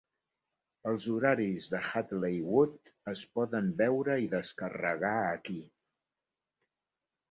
Els horaris de Hadley Wood es poden veure i descarregar aquí.